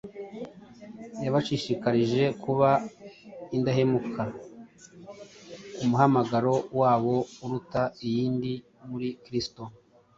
yabashishikarije kuba indahemuka ku muhamagaro wabo uruta iyindi muri kristo.